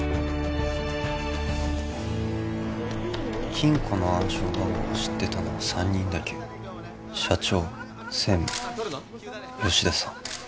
金庫の暗証番号を知ってたのは３人だけ社長専務吉田さん